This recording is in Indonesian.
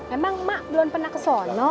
emang mak belum pernah ke sana